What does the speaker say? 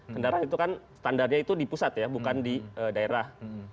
kendaraan itu kan standarnya itu di pusat ya bukan di daerah